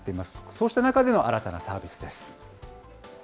そうした中での新たなサービスです。